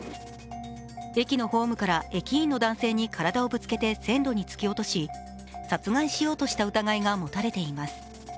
駅のホームから駅員の男性に体をぶつけて線路に突き落とし殺害しようとした疑いが持たれています。